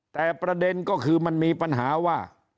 แต่ประเด็นก็คือมันมีปัญหาว่า